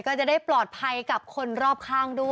ก็จะได้ปลอดภัยกับคนรอบข้างด้วย